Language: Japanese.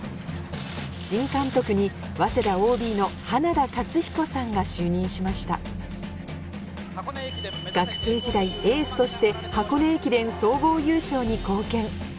新監督に早稲田ＯＢの花田勝彦さんが就任しました学生時代エースとしてに貢献